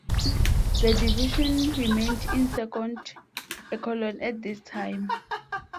The division remained in second echelon at this time.